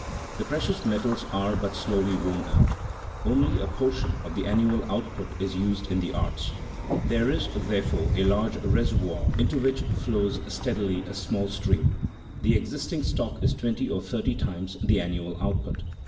The precious metals are but slowly worn out; only a portion of the annual output is used in the arts; there is, therefore, a large reservoir into which flows steadily a small stream; the existing stock is twenty or thirty times the annual output.